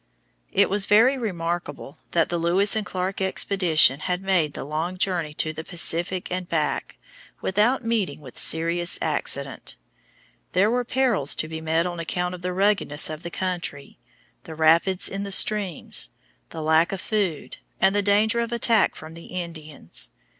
It was very remarkable that the Lewis and Clark expedition had made the long journey to the Pacific and back without meeting with serious accident. There were perils to be met on account of the ruggedness of the country, the rapids in the streams, the lack of food, and the danger of attack from the Indians.